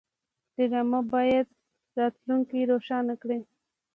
ډرامه باید راتلونکی روښانه کړي